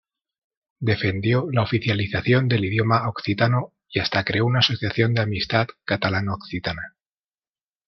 Defendió la oficialización del idioma occitano y hasta creó una asociación de amistad catalano-occitana.